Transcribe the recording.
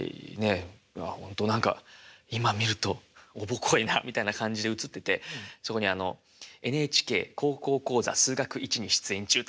ほんと何か今見るとおぼこいなみたいな感じで写っててそこにあのＮＨＫ高校講座「数学Ⅰ」に出演中って書いてあって。